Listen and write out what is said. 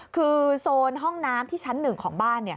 คือโซนห้องน้ำที่ชั้น๑ของบ้าน